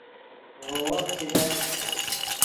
ڤے وف چے لک